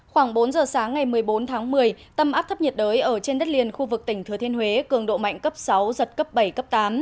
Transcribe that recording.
khoảng bốn giờ sáng ngày một mươi bốn tháng một mươi tâm áp thấp nhiệt đới ở trên đất liền khu vực tỉnh thừa thiên huế cường độ mạnh cấp sáu giật cấp bảy cấp tám